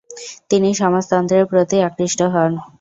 তিনি সমাজতন্ত্রের প্রতি আকৃষ্ট হন।